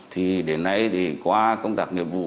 thì đến nay qua công tác nghiệp vụ